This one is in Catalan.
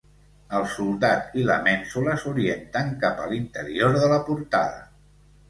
El soldat i la mènsula s'orienten cap a l'interior de la portada.